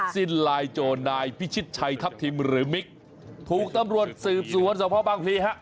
สิ้นลายโจรนายพิชิตชัยทัพทิมหรือมิกถูกตำรวจสืบสวนสมภาพบางพลีฮะ